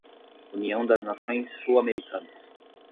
União das Nações Sul-Americanas